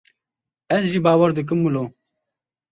Ez jî bawer dikim wilo.